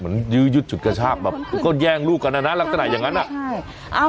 มันยืดจุดกระชาปอ่ะแหละ